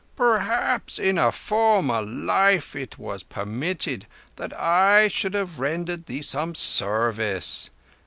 "Perhaps in a former life it was permitted that I should have rendered thee some service.